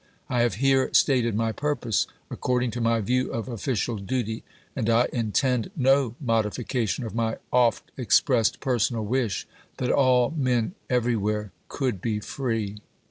I have here stated my purpose according to my view of official duty ; and I intend no modification of my oft expressed personal wish that all men everywhere could be free.